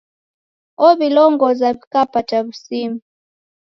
Ow'ilongoza w'ikapata w'usimi.